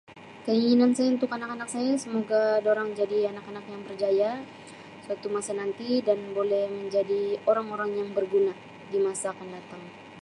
Keinginan saya untuk anak-anak saya semoga dorang jadi anak-anak yang berjaya suatu masa nanti dan boleh menjadi orang-orang yang berguna di masa akan datang.